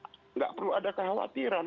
tidak perlu ada khawatiran